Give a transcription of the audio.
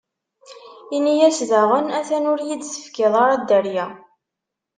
Inna-as daɣen: A-t-an ur yi-d-tefkiḍ ara dderya.